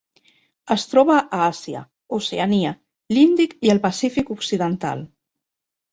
Es troba a Àsia, Oceania, l'Índic i el Pacífic occidental.